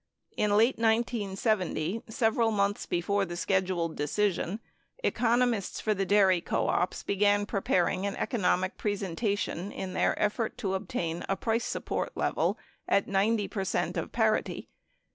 In late 1970, several months before the scheduled decision, economists for the dairy co ops began preparing an economic presenta tion in their effort to obtain a price support level at 90 percent of parity.